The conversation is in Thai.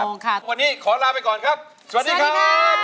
วันนี้ขอลาไปก่อนครับสวัสดีครับ